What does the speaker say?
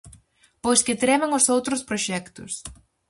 Pois que treman os outros proxectos.